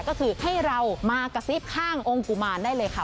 ก็คือให้เรามากระซิบข้างองค์กุมารได้เลยค่ะ